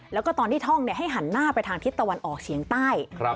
แล้วก็ตอนที่ท่องให้หันหน้าไปทางทิศตะวันออกเฉียงใต้